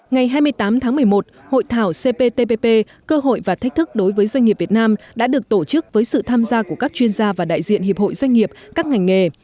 ngày hai mươi tám tháng một mươi một hội thảo cptpp cơ hội và thách thức đối với doanh nghiệp việt nam đã được tổ chức với sự tham gia của các chuyên gia và đại diện hiệp hội doanh nghiệp các ngành nghề